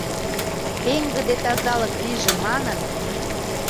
Пеҥгыде тазалык лийже манын